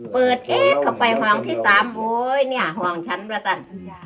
เปิดเอ๊ะเข้าไปห่องที่สามโอ๊ยเนี่ยห่องฉันป่ะสัน